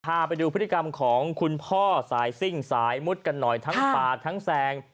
พาไปดูพฤติกรรมของคุณพ่อสายซิ่งสายมุดกันหน่อยทั้งปาดทั้งแซง